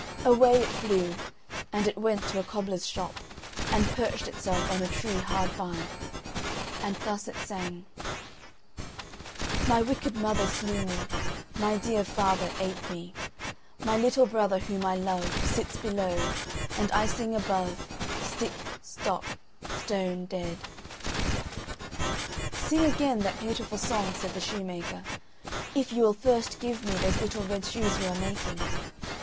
Away it flew, and it went to a cobbler's shop, and perched itself on a tree hard by; and thus it sang, "My wicked mother slew me, My dear father ate me, My little brother whom I love Sits below, and I sing above Stick, stock, stone dead." "Sing again that beautiful song," asked the shoemaker. "If you will first give me those little red shoes you are making."